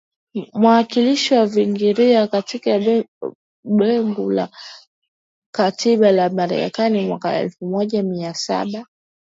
mwakilishi wa Virginia katika bunge la katiba la Marekani mwaka elfu moja mia saba